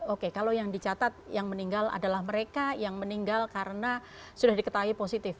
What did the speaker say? oke kalau yang dicatat yang meninggal adalah mereka yang meninggal karena sudah diketahui positif